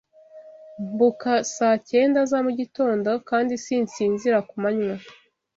Mbuka saa cyenda za mugitondo, kandi sinsinzira ku manywa